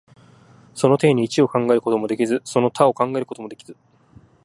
その底に一を考えることもできず、また多を考えることもできず、